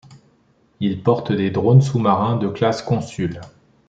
Il porte des drones sous-marins de classe Konsul.